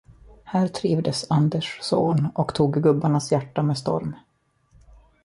Här trivdes Anders Zorn och tog gubbarnas hjärtan med storm.